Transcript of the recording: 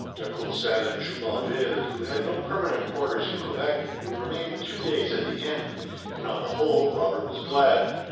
De Courcelles and Jumonville, who had no permanent quarters in Quebec, would remain two days at the inn, and, on the whole, Robert was glad.